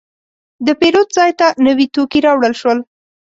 د پیرود ځای ته نوي توکي راوړل شول.